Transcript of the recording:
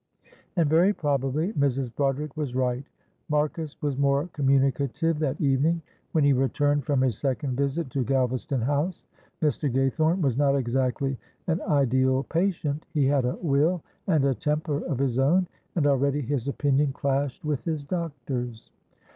And very probably Mrs. Broderick was right. Marcus was more communicative that evening when he returned from his second visit to Galvaston House. Mr. Gaythorne was not exactly an ideal patient; he had a will and a temper of his own, and already his opinion clashed with his doctor's.